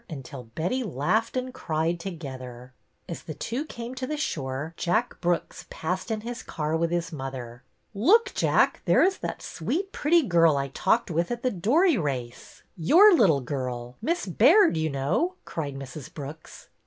until Betty laughed and cried together. As the two came to the shore. Jack Brooks passed in his car with his mother. Look, Jack, there is that sweet pretty girl I talked with at the dory race, — your little girl. i6o BETTY BAIRD'S VENTURES Miss Baird, you know," cried Mrs. Brooks.